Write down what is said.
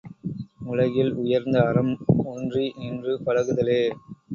உலகில் உயர்ந்த அறம் ஒன்றி நின்று பழகுதலே!